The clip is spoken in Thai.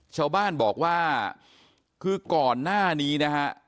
ชาวบ้านบอกว่าคือก่อนหน้านี้นะฮะ